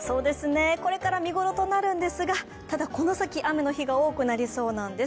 これから見頃となるんですが、ただこの先、雨の日が多くなりそうなんです。